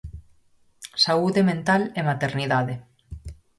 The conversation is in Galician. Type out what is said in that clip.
Saúde mental e maternidade.